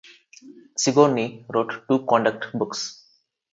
Sigourney wrote two conduct books.